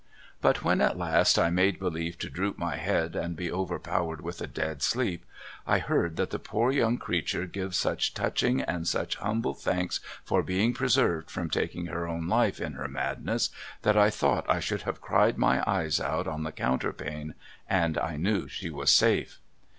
' But when at last I made believe to droop my head and be overpowered with a dead sleep, I heard that poor young creature give such touching and such humble thanks for being preserved from taking her own life in her madness that I thought I should have cried my eyes out on the counterpane and I knew she was safe.